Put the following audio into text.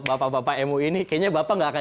bapak bapak mu ini kayaknya bapak gak akan